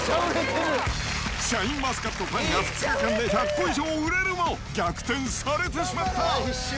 シャインマスカットパンが２日間で１００個以上売れるも、逆転されてしまった。